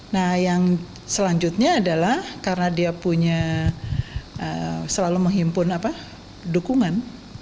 nah yang selanjutnya adalah karena dia punya selalu menghimpun dukungan